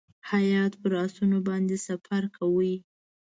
هیات پر آسونو باندې سفر کاوه.